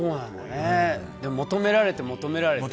求められて、求められて。